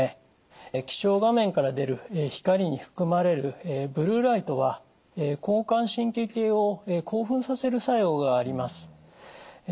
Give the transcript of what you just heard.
液晶画面から出る光に含まれるブルーライトは交感神経系を興奮させる作用があります。